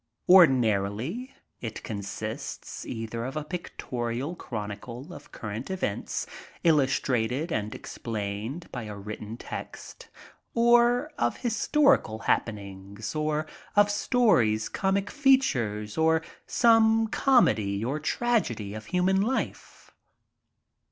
Ordinarily it consists either of a pictorial chronicle of current events, illustrated and explained by written text, or of historical happenings, or of stories, comic features, or some comedy or tragedy of human life.